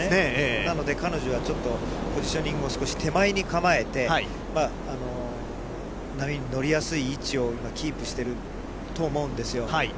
なので彼女はちょっとポジショニングを少し手前に構えて、波に乗りやすい位置を今キープしてると思うんですよ。